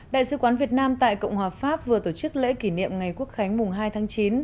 đại sứ quán việt nam tại cộng hòa pháp vừa tổ chức lễ kỷ niệm ngày quốc khánh mùng hai tháng chín